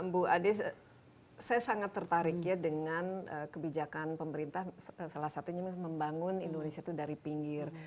bu ade saya sangat tertarik ya dengan kebijakan pemerintah salah satunya membangun indonesia itu dari pinggir